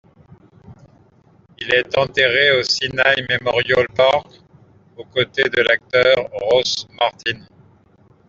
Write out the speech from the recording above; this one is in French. Il est enterré au Sinai Memorial Park, aux côtés de l'acteur Ross Martin.